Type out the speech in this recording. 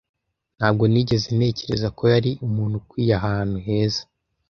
Ntabwo nigeze ntekereza ko yari umuntu ukwiye ahantu heza.